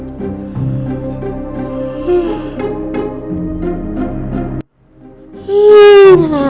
halo gue hantu buat